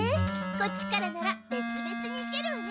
こっちからなら別々に行けるわね。